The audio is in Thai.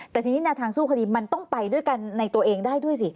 แต่ทีนี้แนวทางสู้คดีมันต้องไปด้วยกันในตัวเองได้ด้วยสิ